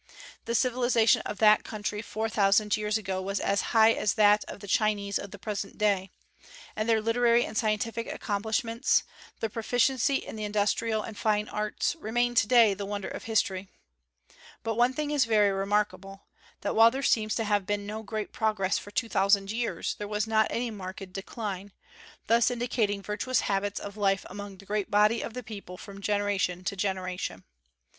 The civilization of that country four thousand years ago was as high as that of the Chinese of the present day; and their literary and scientific accomplishments, their proficiency in the industrial and fine arts, remain to day the wonder of history. But one thing is very remarkable, that while there seems to have been no great progress for two thousand years, there was not any marked decline, thus indicating virtuous habits of life among the great body of the people from generation to generation.